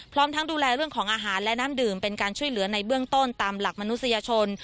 พร้อมทั้งดูแลเรื่องของอาหารและน้ำดื่มเป็นการช่วยเหลือในเบื้องต้นตามหลักมนุษยชน